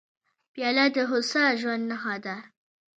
پیاله د هوسا ژوند نښه ده.